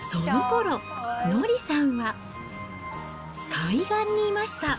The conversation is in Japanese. そのころ、乃りさんは海岸にいました。